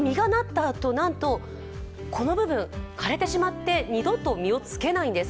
なんと、この部分、枯れてしまって二度と実をつけないんです。